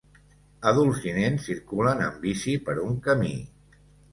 Adults i nens circulen amb bici per un camí.